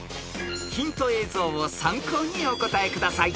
［ヒント映像を参考にお答えください］